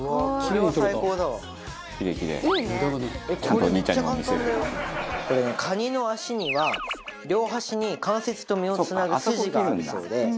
これねカニの脚には両端に関節と身をつなぐ筋があるそうで。